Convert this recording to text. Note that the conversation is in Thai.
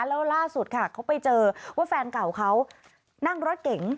แล้วล่าสุดค่ะเขาไปเจอว่าแฟนเก่าเขานั่งรถเก๋ง